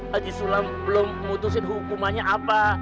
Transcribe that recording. haji sulam belum memutuskan hukumannya apa